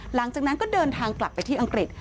หลังจากนั้นก็เดินทางกลับไปที่อังกฤษ